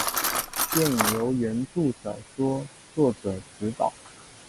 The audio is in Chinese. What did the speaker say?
电影由原着小说作者执导。